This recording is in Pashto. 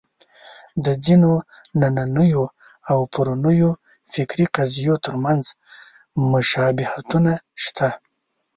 د ځینو نننیو او پرونیو فکري قضیو تر منځ مشابهتونه شته.